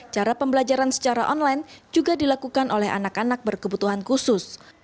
cara pembelajaran secara online juga dilakukan oleh anak anak berkebutuhan khusus